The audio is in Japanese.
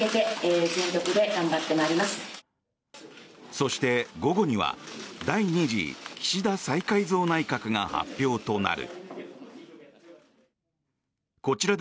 そして、午後には第２次岸田再改造内閣が発表となる。